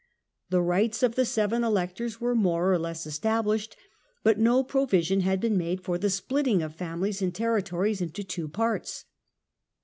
The rights of the seven Electors were more or less established, but no provision had been made for the splitting of families and territories into two parts.